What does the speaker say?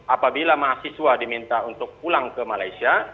apabila mahasiswa diminta untuk pulang ke malaysia